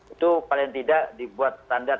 itu paling tidak dibuat standar